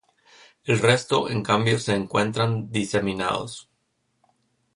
El resto, en cambio se encuentran diseminados.